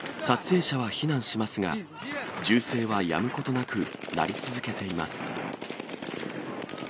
撮影者は避難しますが、銃声はやむことなく鳴り続けています。